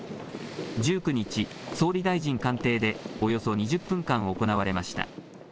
１９日、総理大臣官邸でおよそ２０分間行われました。